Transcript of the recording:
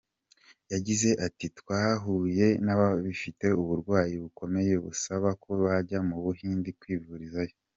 Yagize ati “Twahuye n’abafite uburwayi bukomeye busaba ko bajya mu Buhindi kwivurizayo.